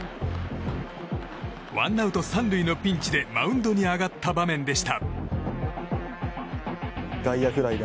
ワンアウト３塁のピンチでマウンドに上がった場面でした。